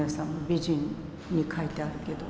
美人に描いてあるけど。